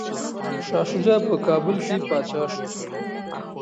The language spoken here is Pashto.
شاه شجاع په کابل کي پاچا شو.